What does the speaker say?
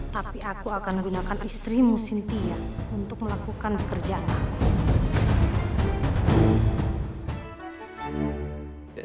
tapi aku akan gunakan istrimu cynthia untuk melakukan pekerjaan